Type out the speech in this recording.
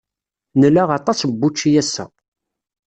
Nla aṭas n wučči ass-a.